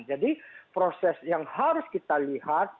jadi proses yang harus kita lihat